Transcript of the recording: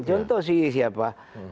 contoh sih siapa